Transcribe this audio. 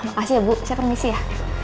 makasih ya bu saya permisi ya